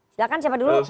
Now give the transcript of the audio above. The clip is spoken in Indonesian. silahkan siapa dulu